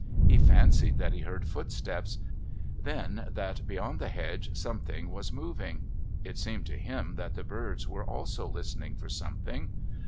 He fancied that he heard footsteps, then that beyond the hedge something was moving. It seemed to him that the birds were also listening for something.